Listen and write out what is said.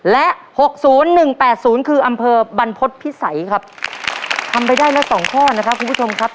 และหกศูนย์หนึ่งแปดศูนย์คืออำเภอบรรพฤษภิษัยครับทำไปได้แล้วสองข้อนะครับคุณผู้ชมครับ